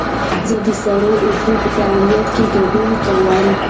زه د سړو اوبو په فعالیت کې ګډون کوم.